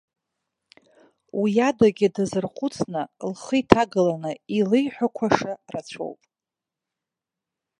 Уиадагьы, дазырхәыцны, лхы иҭагаланы илеиҳәақәаша рацәоуп.